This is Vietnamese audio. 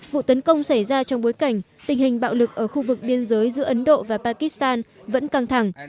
vụ tấn công xảy ra trong bối cảnh tình hình bạo lực ở khu vực biên giới giữa ấn độ và pakistan vẫn căng thẳng